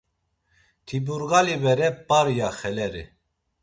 Ti burgali bere, P̌ar, ya xeleri.